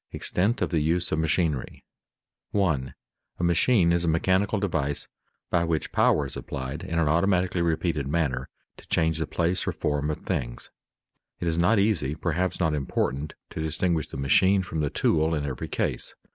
EXTENT OF THE USE OF MACHINERY [Sidenote: Tools, machines, and power] 1. _A machine is a mechanical device by which power is applied in an automatically repeated manner, to change the place or form of things._ It is not easy, perhaps not important, to distinguish the machine from the tool in every case.